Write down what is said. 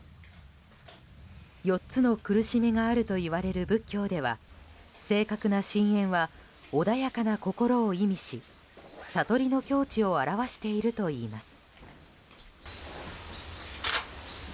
４つの苦しみがあるといわれる仏教では正確な真円は穏やかな心を意味し悟りの境地を表しているといいます。